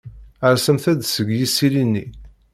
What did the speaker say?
Rsemt-d seg yisili-nni.